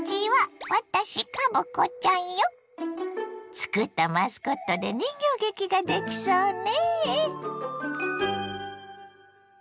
つくったマスコットで人形劇ができそうね。